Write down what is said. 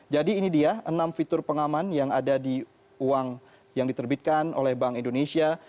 jadi ini dia enam fitur pengaman yang ada di uang yang diterbitkan oleh bank indonesia